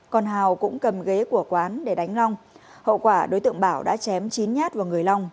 còn hào cũng cầm ghế của quán để đánh long hậu quả đối tượng bảo đã chém chín nhát vào người long